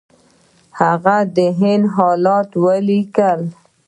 هغه د هند حالات ولیکل.